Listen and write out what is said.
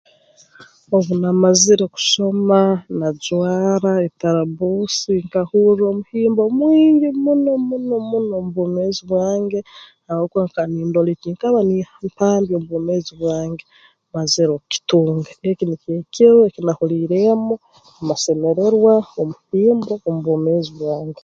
Obu namazire kusoma najwara etarabbuusi nkahurra omuhimbo mwingi muno muno muno mu bwomeezi bwange habwokuba nkaba nindora eki nkaba nimpambya omu bwomeezi bwange mazire okukutunga eki nikyo ekiro eki nahuuliireemu amasemererwa omuhimbo omu bwomeezi bwange